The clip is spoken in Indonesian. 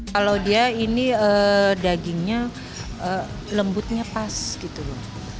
kalau dia ini dagingnya lembutnya pas gitu loh